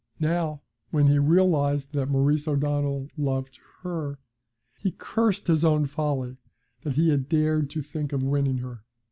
Now, when he realised that Maurice O'Donnell loved her, he cursed his own folly that he had dared to think of winning her.